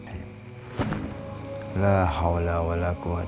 bagaimana pak kiai